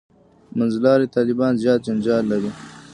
«منځلاري طالبان» زیات جنجال لري.